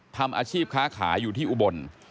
ทำอาชีพค้าขายอยู่ที่อุบล